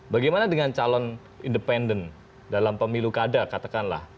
bagaimana dengan calon independen dalam pemilu kada katakanlah